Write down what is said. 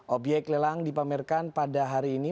obyek lelang dipamerkan pada hari ini